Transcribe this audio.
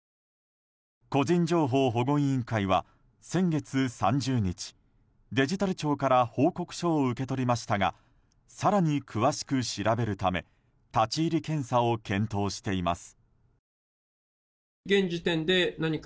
個人情報保護委員会は先月３０日デジタル庁から報告書を受け取りましたが更に詳しく調べるため立ち入り検査を検討しています。